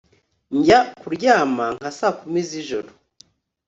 Njya kuryama nka saa kumi zijoro